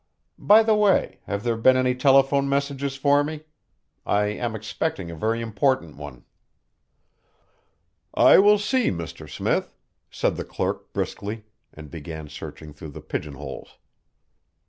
By the way, have there been any telephone messages for me? I am expecting a very important one." "I will see, Mr. Smith," said the clerk briskly, and began searching through the pigeonholes.